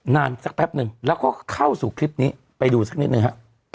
นานสักแป๊บนึงแล้วก็เข้าสู่คลิปนี้ไปดูนิดนึงค่ะ